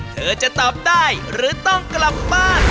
เธอจะตอบได้หรือต้องกลับบ้าน